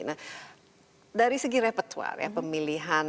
nah dari segi repetuar ya pemilihan